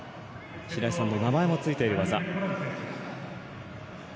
白井さんの名前もついている技。